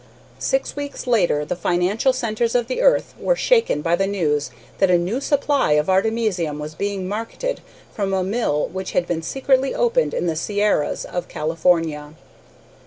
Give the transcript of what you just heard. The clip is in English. Six weeks later the financial centres of the earth were shaken by the news that a new supply of artemisium was being marketed from a mill which had been secretly opened in the Sierras of California.